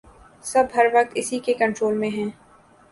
سب ہر وقت اسی کے کنٹرول میں ہیں